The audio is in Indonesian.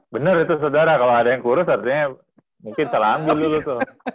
bener itu saudara kalau ada yang kurus artinya mungkin terlambat dulu tuh